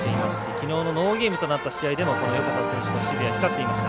きのうのノーゲームとなった試合でも横田選手の守備は光っていました。